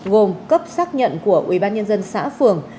gồm cấp xác nhận của ubnd xã phường